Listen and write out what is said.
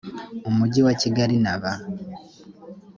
umujyi wa kigali na ba